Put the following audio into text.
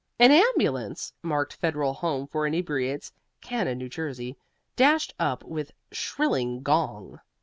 An ambulance, marked Federal Home for Inebriates, Cana, N.J., dashed up with shrilling gong.